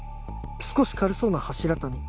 少し軽そうな柱谷。